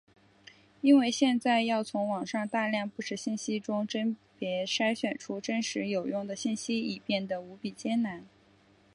因为现在要从网上大量不实信息中甄别筛选出真实有用的信息已变的无比艰难。